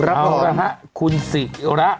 เอาละฮะคุณสิระ